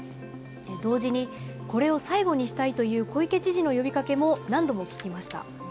同時にこれを最後にしたいという小池知事の呼びかけも何度も聞きました。